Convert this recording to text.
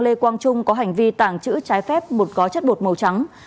lê quang trung có hành vi tàng trữ trái phép một gói chất bột màu trắng